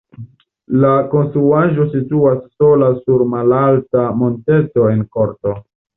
La konstruaĵo situas sola sur malalta monteto en korto.